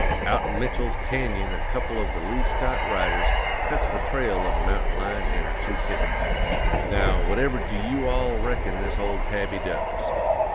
Out in Mitchell's canyon a couple of the Lee Scott riders cuts the trail of a mountain lion and her two kittens. Now whatever do you all reckon this old tabby does?